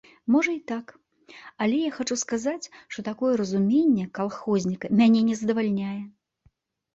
Можа і так, але я хачу сказаць, што такое разуменне калхозніка мяне не задавальняе.